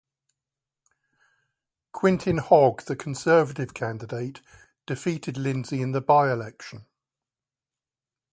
Quintin Hogg, the Conservative candidate, defeated Lindsay in the by-election.